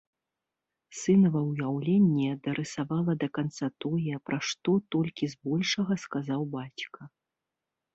Сынава ўяўленне дарысавала да канца тое, пра што толькі збольшага сказаў бацька.